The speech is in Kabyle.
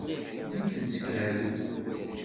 Mmutent seg ɛeyyu.